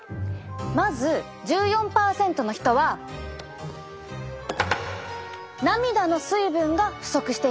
まず１４％の人は涙の水分が不足していました。